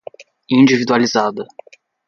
individualizada